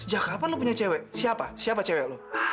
sejak kapan lu punya cewek siapa siapa cewek lu